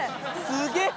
すげえ！